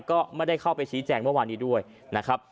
ก็ไม่ได้เข้าไปชี้แจงเมื่อวานนี้ด้วยนะครับ